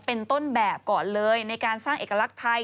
เป็นต้นแบบก่อนเลยในการสร้างเอกลักษณ์ไทย